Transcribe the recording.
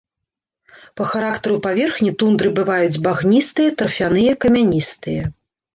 Па характары паверхні тундры бываюць багністыя, тарфяныя, камяністыя.